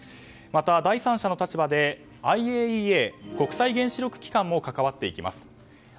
また第三者の立場でＩＡＥＡ・国際原子力機関も関わっていきます。